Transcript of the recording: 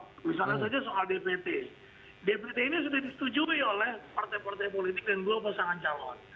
misalnya saja soal dpt dpt ini sudah disetujui oleh partai partai politik dan dua pasangan calon